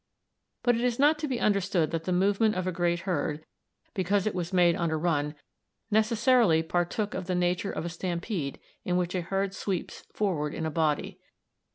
But it is not to be understood that the movement of a great herd, because it was made on a run, necessarily partook of the nature of a stampede in which a herd sweeps forward in a body.